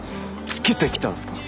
つけてきたんですか！？